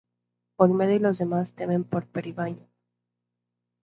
Olmedo y los demás temen por Peribáñez.